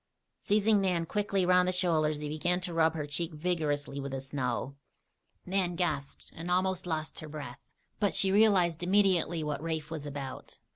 Seizing Nan quickly around the shoulders he began to rub her cheek vigorously with the snow. Nan gasped and almost lost her breath; but she realized immediately what Rafe was about.